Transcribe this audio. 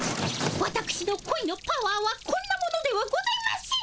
わたくしのこいのパワーはこんなものではございません！